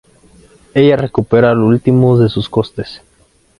Ella recupera lo último de sus costes.